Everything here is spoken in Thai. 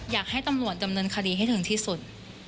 อยากให้ตำรวจดำเนินคดีให้ถึงที่สุด